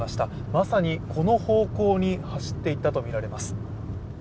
まさに、この方向に走っていったとみられます。